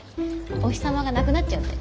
お日様がなくなっちゃうって。